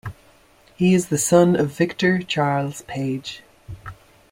He is the son of Victor Charles Page.